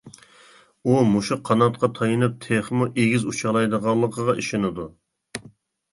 ئۇ مۇشۇ قاناتقا تايىنىپ تېخىمۇ ئېگىز ئۇچالايدىغانلىقىغا ئىشىنىدۇ.